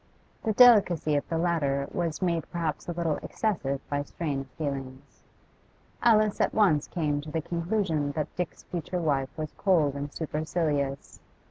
The delicacy of the latter was made perhaps a little excessive by strain of feelings. Alice at once came to the conclusion that Dick's future wife was cold and supercilious.